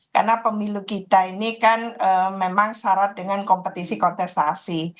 karena pemilu kita ini kan memang syarat dengan kompetisi kontestasi